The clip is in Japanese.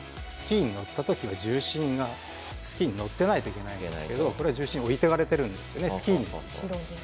スキーに乗ったときは重心がスキーに乗ってないといけないんですけどこれは重心が置いてかれてるんですよね、スキーに。